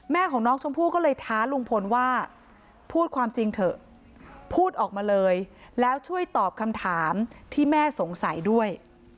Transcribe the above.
ของน้องชมพู่ก็เลยท้าลุงพลว่าพูดความจริงเถอะพูดออกมาเลยแล้วช่วยตอบคำถามที่แม่สงสัยด้วย